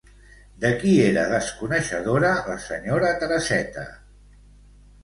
De qui era desconeixedora la senyora Tereseta?